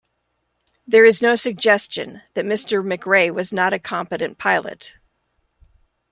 There is no suggestion that Mr McRae was not a competent pilot.